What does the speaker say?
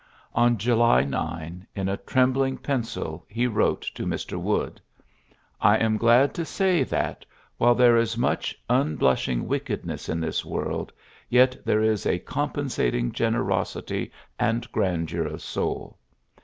On July 9, in a trembling pencil, he wrote to Mr. Wood : '^I am glad to say that, while there is much un blushing wickedness in this world, yet there is a compensating generosity and grandeur of soul.